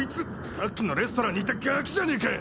さっきのレストランにいたガキじゃねぇか！